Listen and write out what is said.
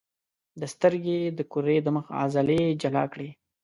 د سترګې د کرې د مخ عضلې جلا کړئ.